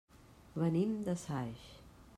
Venim de Saix.